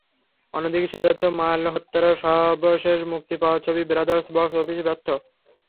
অন্যদিকে সিদ্ধার্থ মালহোত্রার সবশেষ মুক্তি পাওয়া ছবি ব্রাদার্সও বক্স অফিসে ব্যর্থ।